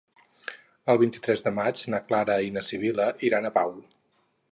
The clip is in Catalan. El vint-i-tres de maig na Clara i na Sibil·la iran a Pau.